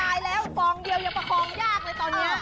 ตายแล้วฟองเดียวยังประคองยากเลยตอนนี้